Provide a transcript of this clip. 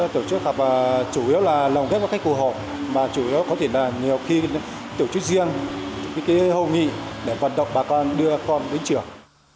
tổ chức họp chủ yếu là lòng ghép với khách cụ họp mà chủ yếu có thể là nhiều khi tổ chức riêng những hôn nghị để vận động bà con đưa con đến trường